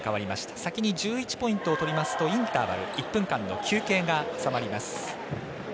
先に１１ポイントをとりますとインターバル１分間の休憩が挟まります。